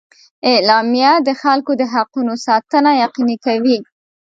اعلامیه د خلکو د حقونو ساتنه یقیني کوي.